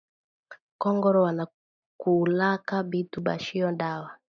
Kongolo banakulaka bitu byashipo dawa